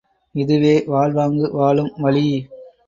இதுவே வாழ்வாங்கு வாழும் வழி!